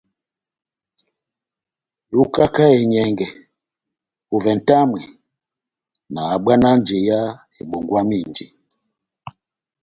Yokaka enyɛngɛ ovɛ nʼtamwi nahabwana njeya ebongwamindi.